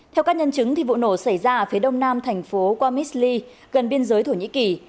theo các nhân chứng vụ nổ xảy ra ở phía đông nam thành phố wamisli gần biên giới thổ nhĩ kỳ